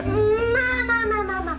まあまあまあまあまあ。